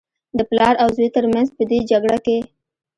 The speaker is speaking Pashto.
د پلار او زوى تر منځ په دې جګړه کې.